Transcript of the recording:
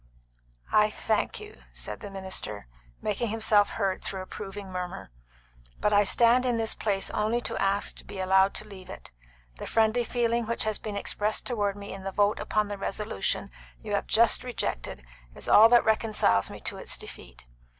"I thank you," said the minister, making himself heard through the approving murmur; "but I stand in this place only to ask to be allowed to leave it. The friendly feeling which has been expressed toward me in the vote upon the resolution you have just rejected is all that reconciles me to its defeat.